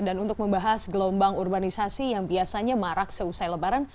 dan untuk membahas gelombang urbanisasi yang biasanya marak selesai lebaran